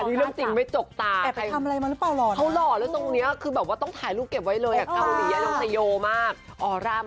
อันนี้เรื่องจริงไม่จกต่าม